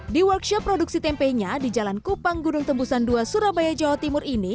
di workshop produksi tempenya di jalan kupang gunung tembusan ii surabaya jawa timur ini